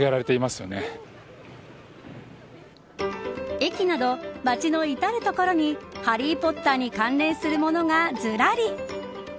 駅など、街の至る所にハリー・ポッターに関連するものがずらり。